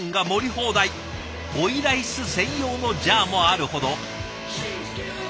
放題追いライス専用のジャーもあるほど。